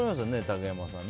竹山さん。